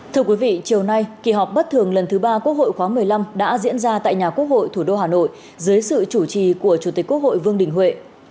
thưa quý vị chiều nay kỳ họp bất thường lần thứ ba quốc hội khóa một mươi năm đã diễn ra tại nhà quốc hội thủ đô hà nội dưới sự chủ trì của chủ tịch quốc hội vương đình huệ